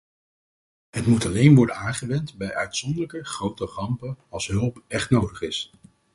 Het moet alleen worden aangewend bij uitzonderlijke, grote rampen, als hulp echt nodig is.